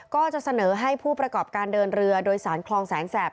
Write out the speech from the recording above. ก็จะเสนอให้ผู้ประกอบการเดินเรือโดยสารคลองแสนแสบ